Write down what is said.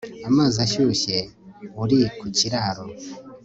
Amazi ashyushye uri ku kiraro